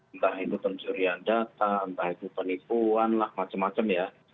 entah itu pencurian data entah itu penipuan lah macam macam ya